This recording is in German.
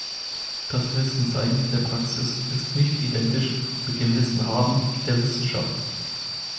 Das Wissen-Sein der Praxis ist nicht identisch mit dem Wissen-Haben der Wissenschaft.